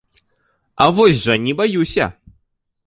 А вось жа не баюся!